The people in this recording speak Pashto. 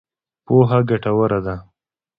پوهه ګټوره ده.